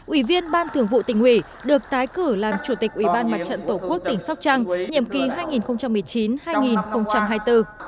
ủy viên ban thường vụ tỉnh ủy được tái cử làm chủ tịch ủy ban mặt trận tổ quốc tỉnh sóc trăng nhiệm kỳ hai nghìn một mươi chín hai nghìn hai mươi bốn